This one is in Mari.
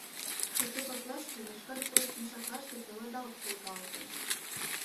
Сату коклаште йошкар пурыс мешаклаште пеледалт волгалтын.